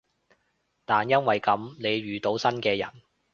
但因為噉，你遇到新嘅人